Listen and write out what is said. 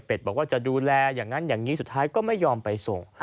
เป็นบอกว่าจะดูแลอย่างนั้นอย่างนี้สุดท้ายก็ไม่ยอมไปส่ง